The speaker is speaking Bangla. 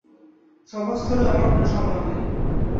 সভাস্থলেও আমার কোনো সম্মান নাই।